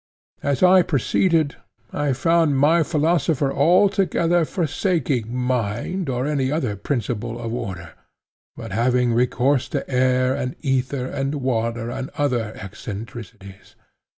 As I proceeded, I found my philosopher altogether forsaking mind or any other principle of order, but having recourse to air, and ether, and water, and other eccentricities.